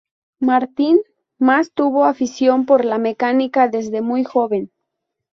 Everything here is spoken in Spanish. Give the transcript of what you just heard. Martin Mas tuvo afición por la mecánica desde muy joven.